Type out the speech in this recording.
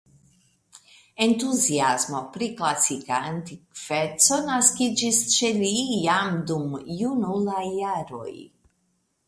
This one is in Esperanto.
Entuziasmo pri klasika antikveco naskiĝis ĉe li jam dum junulaj jaroj.